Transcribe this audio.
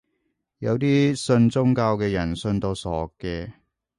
有啲信宗教嘅人信到傻嘅